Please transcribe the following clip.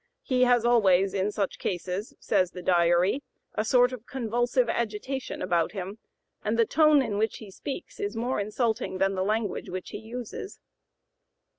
He has always in such cases," says the Diary, "a sort of convulsive agitation about him, and the tone in which he speaks is more insulting than the language which he uses."